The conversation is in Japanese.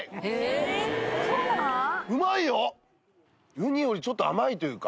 ウニよりちょっと甘いというか。